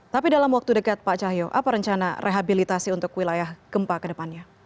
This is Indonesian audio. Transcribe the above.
tapi dalam waktu dekat pak cahyo apa rencana rehabilitasi untuk wilayah gempa ke depannya